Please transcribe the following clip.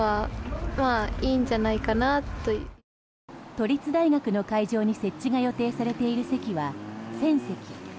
都立大学の会場に設置が予定されている席は１０００席。